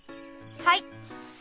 はい。